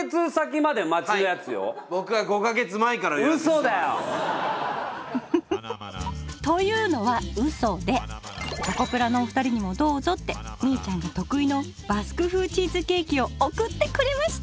うそだよ。というのはうそでチョコプラのお二人にもどうぞってみいちゃんが得意のバスク風チーズケーキを送ってくれました！